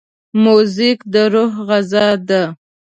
موزیک د روح غذا ده.